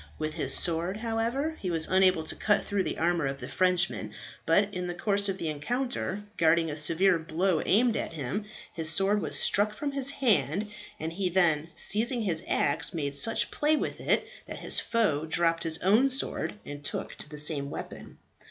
With his sword, however, he was unable to cut through the armour of the Frenchman, but in the course of the encounter, guarding a severe blow aimed at him, his sword was struck from his hand, and he then, seizing his axe, made such play with it that his foe dropped his own sword and took to the same weapon.